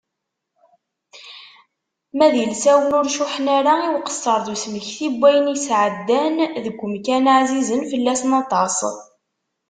Ma d ilsawen ur cuḥḥen ara i uqesser d usmeki n wayen sɛeddan deg umkan-a ɛzizen fell-asen aṭas.